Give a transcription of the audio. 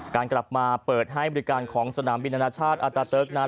การกลับมาเปิดให้บริการของสนามบินอนาชาติอาตาเติร์กนั้น